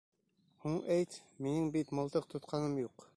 Һуң әйт: минең бит мылтыҡ тотҡаным юҡ.